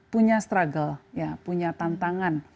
punya struggle punya tantangan